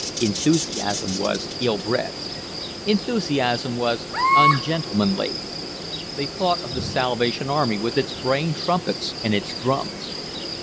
Enthusiasm was ill bred. Enthusiasm was ungentlemanly. They thought of the Salvation Army with its braying trumpets and its drums.